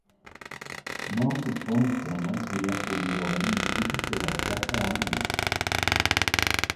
Малко по-настрана горяха огньове, на които се въртяха агънца.